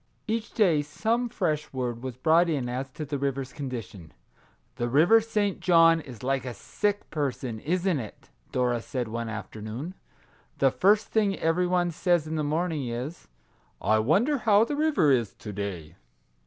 Each day some fresh word was brought in as to the river's condition. " The River St. John is like a sick person, isn't it?" Dora said one afternoon. " The first thing every one says in the morning is, ( I wonder how the river is to day.'